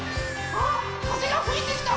あっかぜがふいてきた。